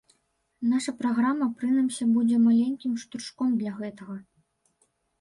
Наша праграма, прынамсі, будзе маленькім штуршком для гэтага.